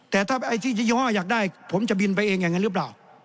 แต่ถ้าไอ้ที่ยี่ห้ออยากได้ผมจะบินไปเองอย่างนั้นหรือเปล่า